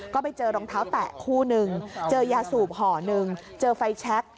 ก็ไปเจอรองเท้าแตะคู่นึงเจอยาสูบห่อหนึ่งเจอไฟแชค